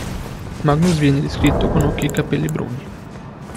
Magnus viene descritto con occhi e capelli bruni.